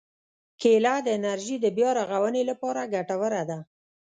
کېله د انرژي د بیا رغونې لپاره ګټوره ده.